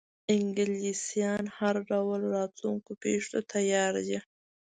انګلیسیان هر ډول راتلونکو پیښو ته تیار دي.